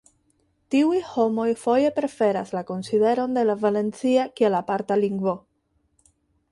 Tiuj homoj foje preferas la konsideron de la valencia kiel aparta lingvo.